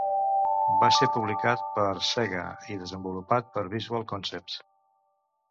Va ser publicat per Sega i desenvolupat per Visual Concepts.